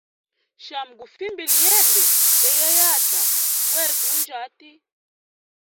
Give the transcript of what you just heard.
Shami gufimbile yende beyayata wetu unjati.